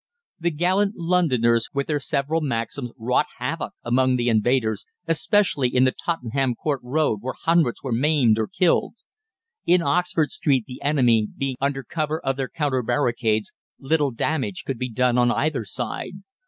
The gallant Londoners, with their several Maxims, wrought havoc among the invaders, especially in the Tottenham Court Road, where hundreds were maimed or killed. "In Oxford Street, the enemy being under cover of their counter barricades, little damage could be done on either side.